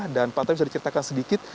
dan pak tarya bisa diceritakan sedikit